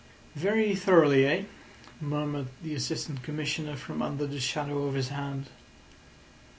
"Very thoroughly—eh?" murmured the Assistant Commissioner from under the shadow of his hand.